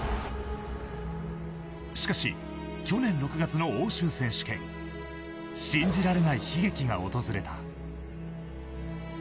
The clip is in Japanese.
しかし去年６月の欧州選手権信じられない悲劇が訪れた。